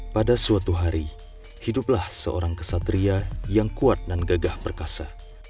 pada suatu hari hiduplah seorang kesatria yang kuat dan gagah perkasa